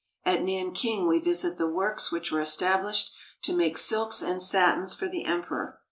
At Nanking we visit the works which were established to make silks and satins for the Emperor.